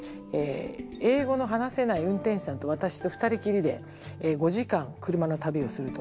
英語の話せない運転手さんと私と２人きりで５時間車の旅をすると。